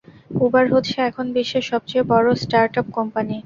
Uber হচ্ছে এখন বিশ্বের সবচেয়ে বড় স্টার্টআপ কোম্পানি।